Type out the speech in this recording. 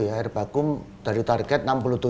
air baku dari target